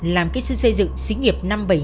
làm kích sư xây dựng sĩ nghiệp năm trăm bảy mươi hai